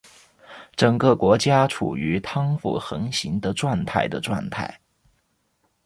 整个国家处于贪腐横行的状态的状态。